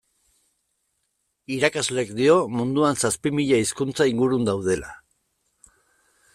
Irakasleak dio munduan zazpi mila hizkuntza inguru daudela.